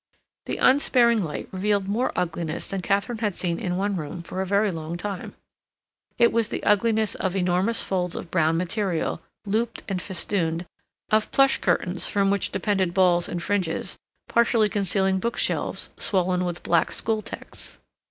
The unsparing light revealed more ugliness than Katharine had seen in one room for a very long time. It was the ugliness of enormous folds of brown material, looped and festooned, of plush curtains, from which depended balls and fringes, partially concealing bookshelves swollen with black school texts.